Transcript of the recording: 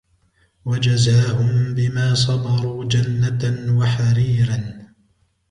وَجَزَاهُمْ بِمَا صَبَرُوا جَنَّةً وَحَرِيرًا